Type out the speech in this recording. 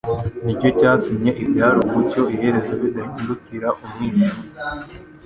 nicyo cyatumye ibyari umucyo iherezo bibahindukira umwijima.